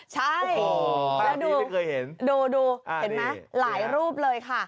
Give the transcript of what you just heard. ใช่แล้วดูเห็นไหมหลายรูปเลยค่ะ